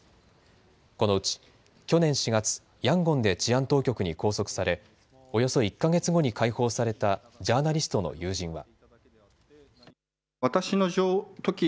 このうち去年４月、ヤンゴンで治安当局に拘束されおよそ１か月後に解放されたジャーナリストの友人は。